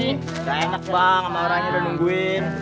enggak enak bang orangnya udah nungguin